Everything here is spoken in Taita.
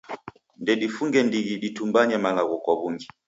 Ndedifunge ndighi ditumbanye malagho kwa w'ungi.